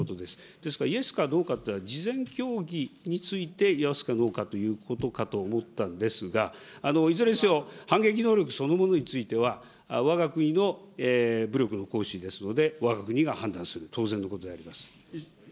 ですから、イエスかノーかっていうのは、事前協議についてイエスかノーかということかと思ったのですが、いずれにせよ、反撃能力そのものについては、わが国の武力の行使ですので、わが国が判断する、当然のことであります。